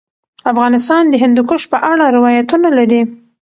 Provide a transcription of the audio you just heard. افغانستان د هندوکش په اړه روایتونه لري.